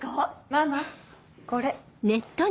ママこれ。